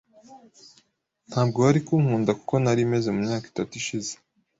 Ntabwo wari kunkunda nkuko nari meze mu myaka itatu ishize .